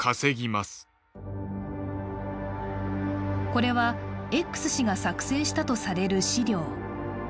これはＸ氏が作成したとされる資料。